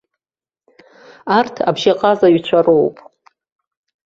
Арҭ абжьаҟазаҩцәа роуп.